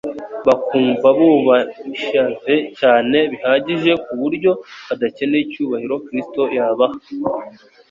bakumva bubashyve cyane bihagije ku buryo badakeneye icyubahiro Kristo yabaha.